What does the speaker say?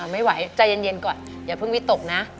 ไม่ไหวใจเย็นก่อนอย่าเพิ่งวิตกนะ